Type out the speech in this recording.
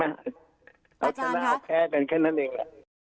อาจารย์ครับเอาชนะเอาแพ้กันแค่นั้นเองแหละ